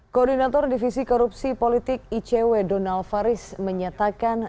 koordinator divisi korupsi politik icw donald faris menyatakan